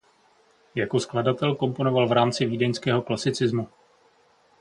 Jako skladatel komponoval v rámci vídeňského klasicismu.